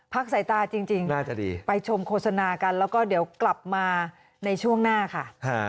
พักใส่ตาจริงไปชมโฆษณากันแล้วก็เดี๋ยวกลับมาในช่วงหน้าค่ะ